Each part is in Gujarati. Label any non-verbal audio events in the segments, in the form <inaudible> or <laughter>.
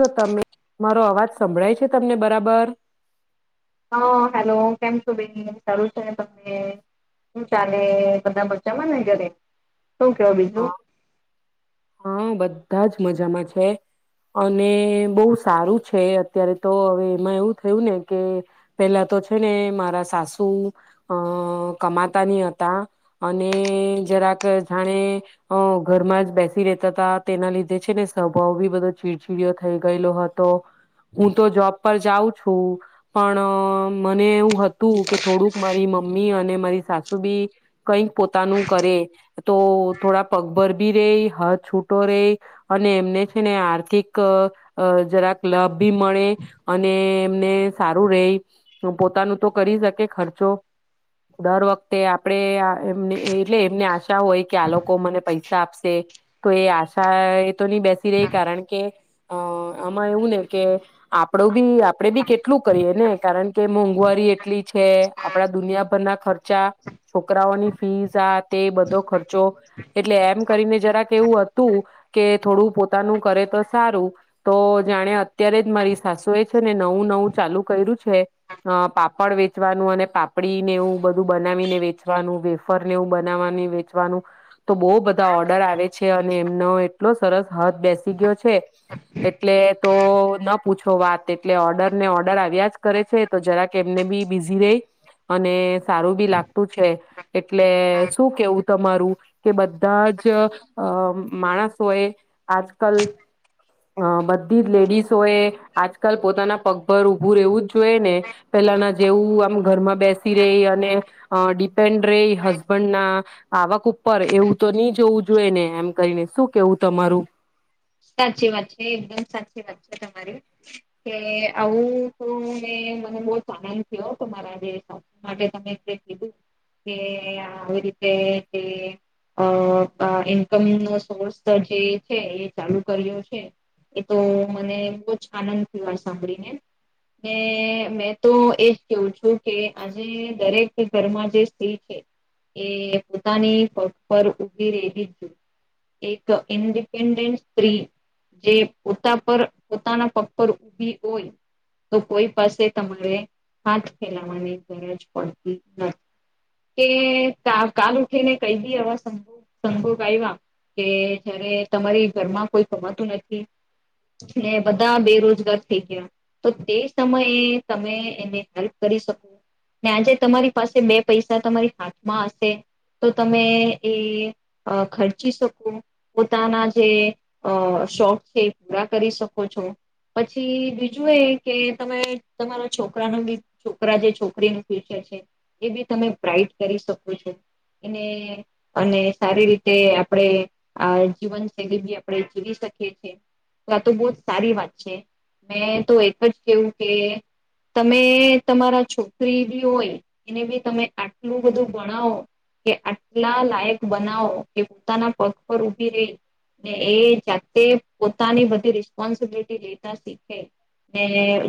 જો તમે. મારો અવાજ સંભળાય છે તમને બરાબર. હા હેલો કેમ છ બે સારું છે તમને શું ચાલે બધા બચામાંને ઘરે. શું કેવ બીજું. હા હા બધા જ મજામાં છે અને બહ સારું છે અત્યારે તો હવે એમાં એવું થયું ને કે પેલા તો છે ને મારા સાસુ અ કમાતા ની હતા અને જરાક જાણે ઘરમાં જ બેસી. તેના લીધે છે ને સ્વભાવ બી બધો ચીડછીડયો થઈ ગયેલો હતો હું તો જોબ પર જાઉં છું પણ મને એવું હતું કે થોડુંક મારી મમ્મી અને મારી સાસુ બી કઈક પોતાનું કરે તો થોડા પગભર બી રે. હ છૂટો રહી અને એમને છે ને આર્થિક જરાક લાભ ભી મળે અને એમને સારું રહી પોતાનું તો કરી શકે ખર્ચો દર વખતે આપણેે એમ એટલે એમને આશા હોય કે આ લોકો મને પૈસા આપશે. તો એ આશા એ તો નહી બેસી રહી કારણ કે અ આમાં એવું ને કે આપડું બી આપણેે બી કેટલું કરીએ ને કારણ કે મોંઘવારી એટલી છે આપડા દુનિયાભરના ખર્ચા છોકરાઓની ફીઝ આ તે બધો ખર્ચો એટલે એમ કરીને જરાક. એવું હતું કે થોડું પોતાનું કરે તો સારું તો જાણે અત્યારે જ મારી સાસુ એ છે ને નવું નવું ચાલુ કર્યું છે અ પાપડ વેચવાનું અને પાપડીને એવું બધું બનાવીને વેચવાનું વેફરને એવું બનાવાનું વેચવાનું. તો બહુ બધા ઓર્ડર આવે. અને એમનો એટલો સરસ હથ બેસી ગયો છે એટલે તો ના પૂછો વાત એટલે ઓર્ડર ને ઓર્ડર આવ્યા જ કરે છે તો જરાક એમને બી બિઝી રહી અને સારું બી લાગતું છે. એટલે શું કેવું. તમારું કે બધા જ અ માણસોએ આજકાલ બધી જ લેડીસોએ આજકાલ પોતાના પગભર ઉઊભું રહેવું જ જોઈએ ને પેલાના જેવું આમ ઘરમાં બેસી રહી અને ડિપેન્ડ રે હસબન્ડ ના આવક ઉપર એવું તો નહી જોવું જોઈએ ને, એમ કરીને શું કેવું તમારું સાચી વાત છે એકદમ સાચી વાત છે તમારી કે આવું તો મેને મને બહ આનંદ થયોરા જે માટે તમે કીધું કે આવી રીતે ઇન્કમ નો સોર્સ જે છે ચાલુ કર છે એ તો મને બહુ જ આનંદ થયો સાંભળીને ને મેં તો એજ કેવું છું કે આજે દરેક ઘરમાં જે સ્ત્રી છે એ પોતાની પગ પર ઉભી રલી જ જોઈ એક ઇન્ડિપેન્ડ પોતા પર પોતાના પગ પર ઉભી હોય તો કોઈ પાસે તમારે હાથ ફેલાવાની ગરજ પડતી નથી કે કાલ ઉઠીને કઈ બી એવાો સંભોગ આવ્યા કે જયારે, તમારી ઘરમાં કોઈ કમાતું નથી ને બધા બેરોજગાર થઈ ગયા તો તે સમયે તમે એને હેલ્પ કરી શકો ને આજે તમારી પાસે બે પૈસા તમારી હાથમાં હશે તો તમે એ ખર્ચી શકો પોતાના જે અ શોખ છે એ પૂરા કરી શકો છો પછી બીજું એ કે તમે તમારા છોકરા ન બી છોકરા જે છોકરીનું ફ્યુચર છે એ બી તમે બ્રાાઈટ કરી શકો છો એને અને સારી રીતે આપણે આ જીવનશૈલી બી આપ જીવી શકીએીએ આ તો બહ જ સારી વાત છે મેં તો એક જ કેવું કે તમે તમારા છોકરી બી હોય એને બી તમે આટલું બધું ગણાવો કે આટલા લાયક બનાવો કે પોતાના પગ પર ઉભી રહી ને એ જાતે પોતાની બધી રિસ્પોન્સિબિલિટી લેતા શીખે ને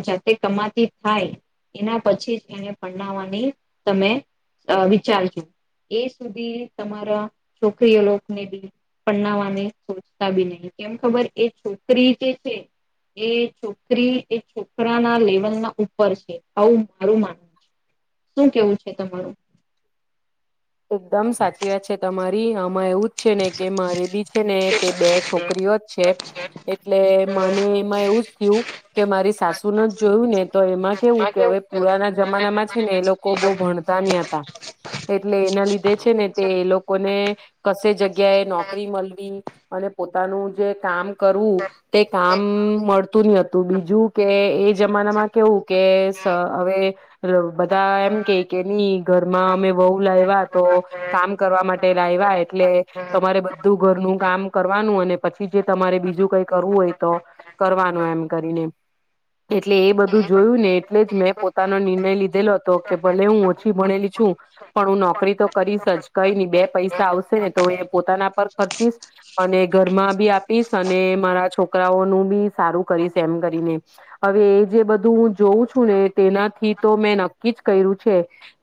જાતે કમાતી થાય એના પછી જ એને પરનાવવાની તમે વિચારજો એ સુધી તમારા છોકરીઓલોને બી પરનાવાની સોચતા બી નહી કેમ ખબર એ છોકરી જે છે એ છોકરી એ છોકરા ના લેવલમાં ઉપર છે આવું મારું માનવું છે શું કેવું છે તમારું એકદમ સાચી વાત છે તમારી આમાં એવું જ છે ને કે મારે બી છે ને તે બે છોકરીઓ જ છે એટલે મને એમાં એવું જ થયું કે મારી સાસુ ન જ જોયું ને તો એમાં કેવું કે હવે પુરાના જમાનામાં છે ને એ લોકો બહ ભણતા નહ હતા એટલે એના લીધે છે ને તે એ લોકોને કશે જગ્યાએ નોકરી મળવી અને પોતાનું જે કામ કરવું તે કામ મળતું નતું, તો બીજું કે એ જમાનામાં કેવું કે હવે બધા એમ કે કે નહી ઘરમાં અમે બહ લાવ તો કામ કરવા માટે લાવવા એટલે તમારે બધું ઘરનું કામ કરવાનું અને પછી જે તમારે બીજું કઈ કરવું હોય તો કરવાનું એમ કરીને એટલે એ બધું જોયું ને એટલે જ મેં પોતાનો નિર્ણય લીધેલો હતો કે ભલે હું ઓછી ભણેલી છું પણ હું નોકરી તો કરીશ જ કઈ નહી બે પૈસા આવશે ને તો એ પોતાના પર ખર્ચીશ અને ઘરમાં બી આપીશ અને મારા છોકરાઓનું બી સારું કરીશ એમ કરીને હવે એ જે બધું હું જોઉં છું ને તેનાથી તો મેં નક્કી જ કર્યું છે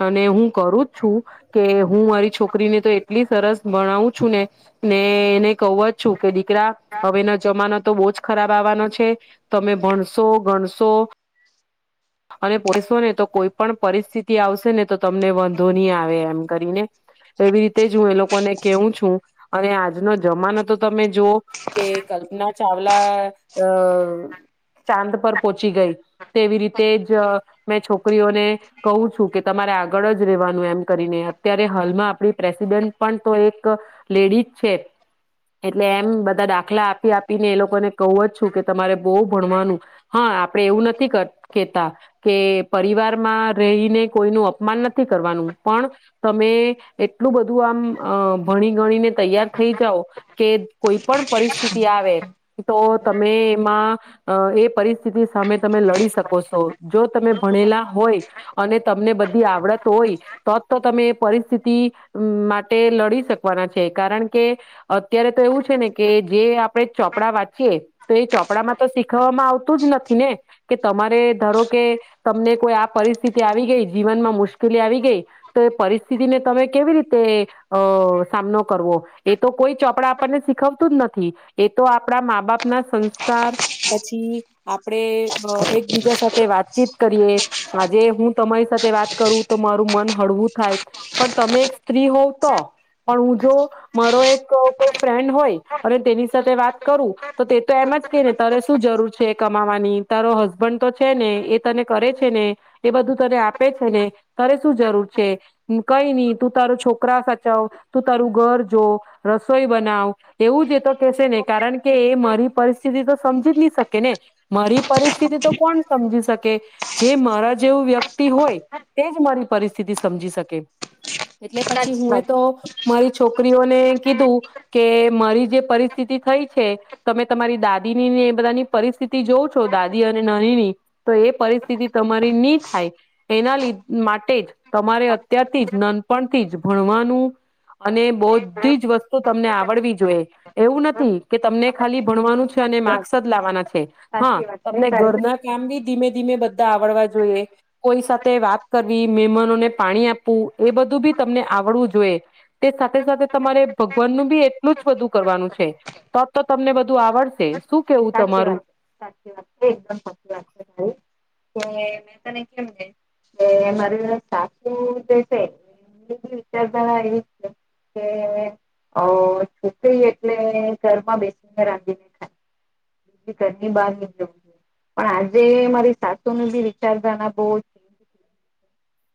અને હું, કરું કે હું મારી છોકરીને તો એટલી સરસ ભણાવું છું ને ને એને કહ જ છું કે દીકરા હવેના જમાનો તો બહુ જ ખરાબ આવવાનો છે તમે ભણશો ગણશો અને પસો ને તો કોઈ પણ પરિસ્થિતિ આવશે ને તો તમને ધોની આવે એમ કરીને એવી રીતે જ હું એ લોકોને કવું છું અને આજનો જમાનો તો તમે જોુવ કે કલ્પના ચાવલા ચાંદ પર પહોંચી ગઈ તેવી રીતે જ મેં છોકરીઓને કહું છું કે તમારે આગળ જ એમ કરીને અત્યારે હાલમાં આપણી પ્રેસિડેન્ટ પણ તો એક લેડીજ છે એટલે એમ બધા દાખલા આપી આપીને એ લોકોને કહું જ છું કે તમારે બહ ભણવાનું હા આપણે એવું નથી કેતા કે પરિવારમાં રહીને કોઈ ન અપમાન નથી કરવાનું પણ તમે એટલું બધું આમ ભણી ગણીને તૈયાર થઈ જાઓ કે કોઈ પણ પરિસ્થિતિ આવે તો તમે એમાં એ પરિસ્થિતિ સામે તમે લડી શકો છો જો તમે ભણેલા હોય અને તમને બધી, આવડત હોય તો તો તમે એ પરિસ્થિતિ માટે લડી શકવાના છે કારણ કે અત્યારે તો એવું છે ને કે જે આપણે ચોપડા વાંચીએ તો એ ચોપડામાં તો શીખવામાં આવતું જ નથી ને કે તમારે ધારો કે તમને કોઈ આ પરિસ્થિતિ આવી ગઈ જીવનમાં મુશકેલ લી આવી ગઈ તો એ પરિસ્થિતિને તમે કેવી રીતે અ સામનો કરવો એ તો કોઈ ચોપડા આપણને શીખવતું જ નથી એ તો આપણા મા બાપ ના સંસ્કાર પછી આપણે એકબીજા સાથે વાતચીત કરીએ આજે હું તમારી સાથે વાત કરું તો મારું મન હળવું થાય પણ તમે એક સ્ત્રી હોવ તો પણ હું જો મારો એક કોઈ ફ્રેન્ડ હોય અને તેની સાથે વાત કરું તો તે તો એમ જ કે ને તારે શું જરૂર છે કમાવાની તારો હસબન્ડ તો છે ને એ તને કરે છે ને એ બધું તને આપે છે ને તારે શું જરૂર છે કઈ નઈ તું તારો છોકરા સાચાવ તું તારું ઘર જો રસોઈ બનાવ એવું જ એ તો કેહેશે ને કારણ કે એ પરિસ્થિતિ તો સમજી જ નહી શકે ને મારી પરિસ્થિતિ તો કોણ સમજી કે જે મારા જેવું વ્યક્તિ હોય તે જ મારી પરિસ્થિતિ સમજી શકે એટલે પછી સાચી હું એ વાત છે <unintelligible> મારી છોકરીઓને કીધું કે મારી જે પરિસ્થિતિ થઈ છે તમે તમારી દાદીનીને એ બધાની પરિસ્થિતિ જોવ છો દાદી અને નાનીની તો એ પરિસ્થિતિ તમારી નની થાય એના લીધે. માટે જ તમારે અત્યારથી જ નાનપણથી જ ભણવાનું અને બૌધી જ વસ્તુ તમને આવડવી જોઈએ એવું નથી કે તમને ખાલી ભણવાનું છે અને સાચી વાત માક્સ જ લાવવાના છે. હા સાચી વાત છે તમને તારી ઘરના કામ બી ધીમે ધીમે બધા આવડવા જોઈએ. કોઈ સાથે વાત કરવી, મહેમાનોને પાણી આપવું, એ બધું બી તમને આવડવું જોઈએ તે સાથે સાથે તમારે ભગવાન નું બી એટલું જ બધું કરવાનું છે તો જ તો તમને બધું, આવડશે. શું કેવું સાચી તમારું વાત છે સાચી વાત છે, એકદમ સાચી વાત છે, તમારી કે તને કેમ કે મારી સાસુ જે છે એમની બી વિચારધારા એવી છે કે છોકરી એટલે ઘરમાં બેસીને રાંધીને ખાય. બીજી ઘરની બાર નઈ જવુ પણ આજે મારી સાસુનું બી વિચારધારા બવ જ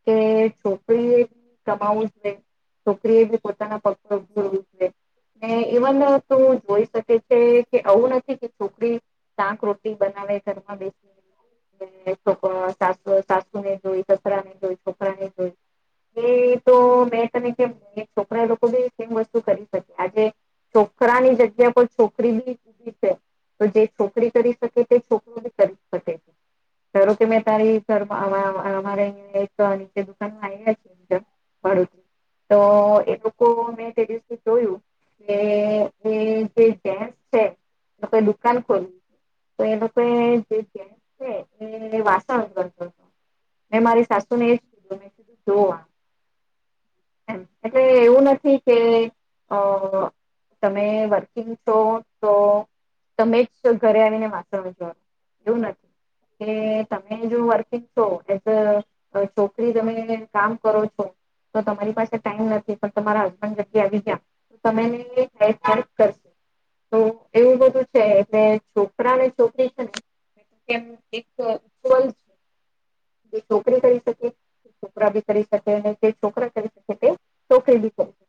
કે છોકરીએ બી કમાવું જોઈ છોકરીએ બી પોતાના પગ પર ઉભું રેવું જોઈએ ને ઈવન તું જોઈ શકે છે કે આવું નથી કે છોકરી શાંક રોટી બનાવે ઘરમાં બેસી છોકરો સાસ સાસુને જોઈ સસરા ને જોઈ છોકરાને જોઈ એ તો મે તને કેમ છોકરા લોકો બી સેમ વસ્તુ કરી શકે આજે છોકરાની જગ્યા પર છોકરી બી ઉભી છે તો જે છોકરો કરી શકે તે છોકરી બી કરી શકે છે ધારો કે મેં તારી ઘર અરે એક નીચે દુકાનમાં આવ્યા છે પાડોસમાં તો એ લોકો મેં તે દિવસે જોયું કે છે કે જે જેન્ટ્સ છે તો ઈ દુકાન એ લોકો જે જેન્ટ્સ છે એ વાસણ કરતો હતો મે મારી સાસુને એજ કીધું મે કીધું જોવા એટલે એવું નથી કે તમે વર્કિંગ છો તો તમે ઘરે આવીને વાસણ વિછવવાનું એવું નથી કે તમે જો વર્કિંગ છો એઝ અ છોકરી તમે કામ કરો છો તો તમારી પાસે ટાઈમ નથી પણ તમારા હસબન્ડ જલ્દી આવી ગયા તમે કરશો તો એવું બધું છે છોકરા ને છોકરી છે ને કે એક ઉ છે જે છોકરી કરી શકે છોકરા બી કરી શકે જે છોકરા કરી શકે તે છોકરી બી કરી શકે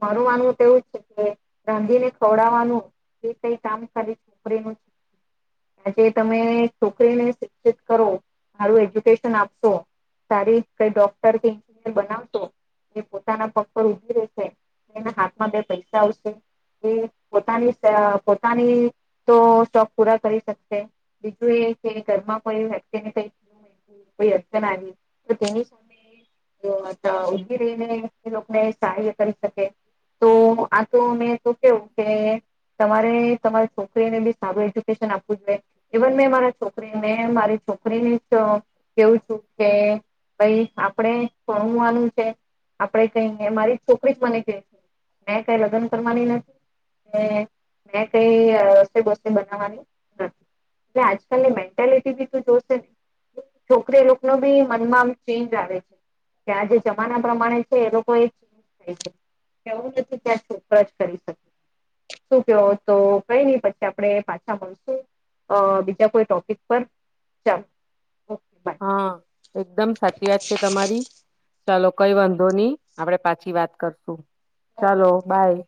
માર માનવું તો એવું છે કે રાંધીને ખવડાવવાનું જે કઈ કામ કરી આજે તમે છોકરીને શિક્ષિત કરો, સારું એજ્યુકેશન આપશો, સારી કઈ ડોક્ટર કે એન્જનિયર બનાવશો, એ પોતાના પગ પર ઉભી રહેશે, એના હાથમાં બે પૈસા આવશે, એ પોતાની પોતાની તો શોખ પૂરા કરી શકશે બીજું એ કે ઘરમાં કોઈ વ્યક્તિને કઈ પણ એવુ અડચન આવી તો તેની સામે ઉભી રહીને એને સહાય કરી શકે તો આ તો મેં તો કેવું કે તમારે સમય શું તો એને બી સારું એડયુકેશન ઇવન મેં મારા છોકરીને મારી છોકરીને કેવું છું કે ભાઈ આપણે ભણવાનું છે આપણેે કઈ મારી છોકરી જ મને કે મેં કઈ લગ્ન કરવાની નથી મેં કઈ કોઈ દોસ્તી બનાવવાની નથી એટલે આજકાલની મેન્ટલિટી જોશે ને છોકરી એ લોકો ન બી મનમાં આમ ચેન્જ આવે છે કે આ જે જમાના પ્રમાણે છે એ લોકો એ ચેન્જ થાય છે કેવું નથી કે આ છોકરા જ કરી શકે શું કેવો તો કઈ નહી પછી આપણે પાછા મળશું બીજા કોઈ ટોપિક પર ચાલ. હા એકદમ સાચી વાત છે તમારી. ચાલો કઈ વાંધો નહી આપડે પાછી વાત કરશું. ચાલો બાય.